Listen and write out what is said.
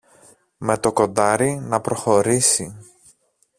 με το κοντάρι να προχωρήσει.